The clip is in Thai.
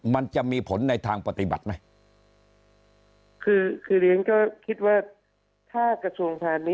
มันจะมีผลในทางปฏิบัติไหม